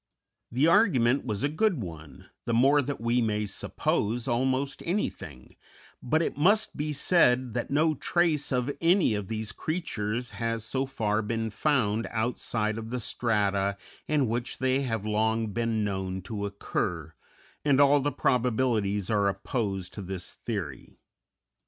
The argument was a good one, the more that we may "suppose" almost anything, but it must be said that no trace of any of these creatures has so far been found outside of the strata in which they have long been known to occur, and all the probabilities are opposed to this theory.